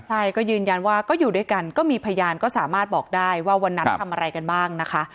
ใช่ก็ยืนยันว่าก็อยู่ด้วยกันก็มีพยานก็สามารถบอกได้ว่าวันนั้นทำอะไรกันบ้างนะคะ